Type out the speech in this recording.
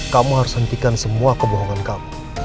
kamu harus hentikan semua kebohongan kamu